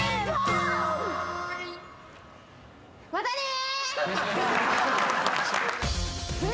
またね！